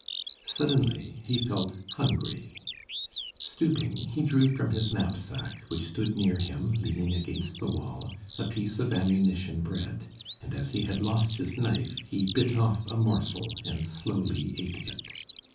Suddenly he felt hungry. Stooping, he drew from his knapsack, which stood near him leaning against the wall, a piece of ammunition bread, and as he had lost his knife, he bit off a morsel and slowly ate it.